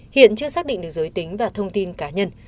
hiện chưa xác định được giới tính và thông tin cá nhân